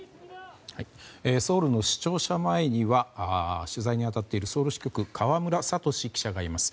ソウルの市庁舎前には取材に当たっているソウル支局河村聡記者がいます。